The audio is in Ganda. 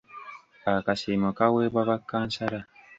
Akasiimo kaweebwa ba kkansala.